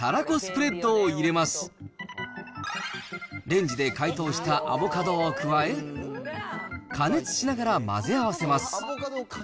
レンジで解凍したアボカドを加え、加熱しながら混ぜ合わせます。